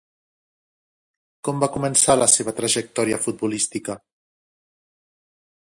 Com va començar la seva trajectòria futbolística?